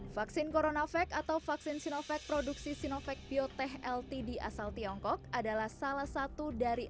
vaksin coronavac atau vaksin sinovac produksi sinovac biotech ltd asal tiongkok adalah satu dari dua vaksin yang diperoleh